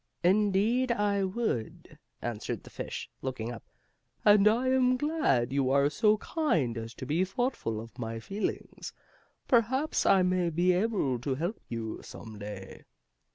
"Indeed, I would," answered the fish, looking up. "And I am glad you are so kind as to be thoughtful of my feelings. Perhaps I may be able to help you, some day."